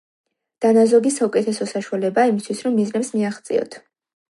დანაზოგი საუკეთესო საშუალებაა იმისთვის, რომ მიზნებს მიაღწიოთ.